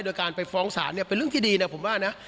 โดยการไปฟ้องศาลเนี่ยเป็นเรื่องที่ดีนะผมว่านะ